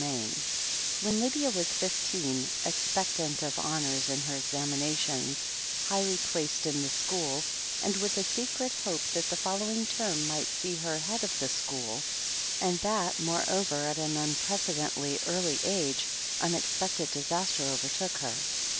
"] IV When Lydia was fifteen, expectant of Honours in her examinations, highly placed in the school, and with a secret hope that the following term might see her Head of the School — ^and that, moreover, at an unpre cedently early age — ^unexpected disaster overtook her.